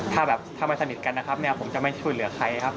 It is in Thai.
ถ้ามาสนิทกันผมจะไม่ช่วยเหลือใครครับ